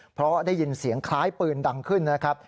เพราะได้ยินเสียงคล้ายปืนดังขึ้นนะครับ